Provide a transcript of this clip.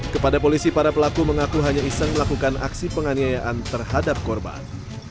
kepada polisi para pelaku mengaku hanya iseng melakukan aksi penganiayaan terhadap korban